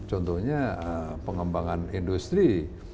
contohnya pengembangan industri